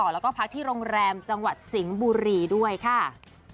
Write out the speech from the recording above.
แล้วก็พักที่โรงแรมจังหวัดสิงห์บุรีด้วยค่ะ